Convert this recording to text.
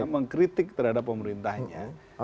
mengkritik terhadap pemerintahnya